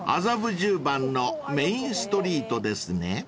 ［麻布十番のメインストリートですね］